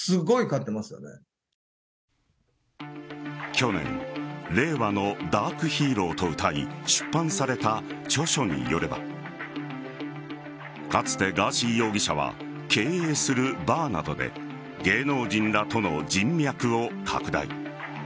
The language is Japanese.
去年令和のダークヒーローとうたい出版された著書によればかつてガーシー容疑者は経営するバーなどで芸能人らとの人脈を拡大。